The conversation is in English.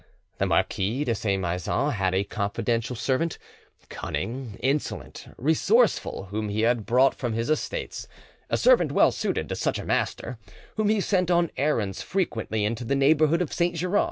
The Marquis de Saint Maixent had a confidential servant, cunning, insolent, resourceful, whom he had brought from his estates, a servant well suited to such a master, whom he sent on errands frequently into the neighbourhood of Saint Geran.